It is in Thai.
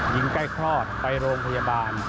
ยิงใกล้คลอดไปโรงโทยบาล